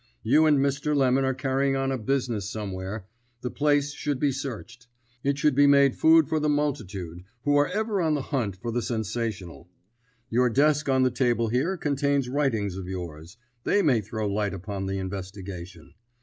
You and Mr. Lemon are carrying on a business somewhere; the place should be searched; it should be made food for the multitude who are ever on the hunt for the sensational. Your desk on the table here contains writings of yours; they may throw light upon the investigation.